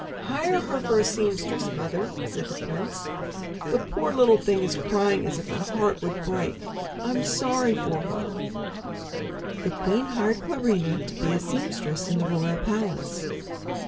"Hire her for a seamstress, mother," said the prince. "The poor little thing is crying as if her heart would break. I'm sorry for her." The queen hired Clarinha to be a seamstress in the royal palace.